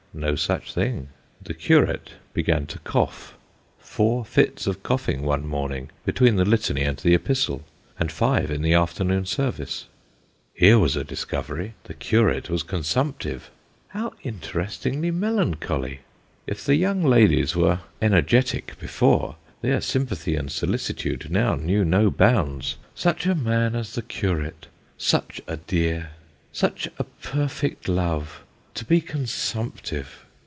No such thing. The curate began to cough ; four fits of coughing one morning between the Litany and the Epistle, and five in the afternoon service. Here was a discovery the curate was consumptive. How interestingly melancholy ! If the young ladies were energetic before, their sym pathy and solicitude now knew no bounds. Such a man as the curate such a dear such a perfect love to be consumptive